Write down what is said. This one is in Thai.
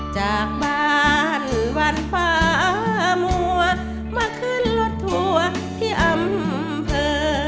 จากบ้านวันฟ้ามัวมาขึ้นรถทัวร์ที่อำเภอ